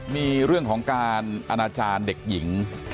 มีเรื่องของการอนาจารย์เด็กหญิง